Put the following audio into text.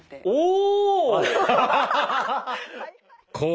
おお！